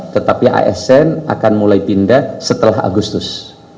tetapi asn akan mulai pindah setelah agustus